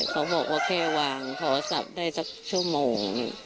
เขาบอกว่าแค่วางโทรศัพท์ได้สักชั่วโมง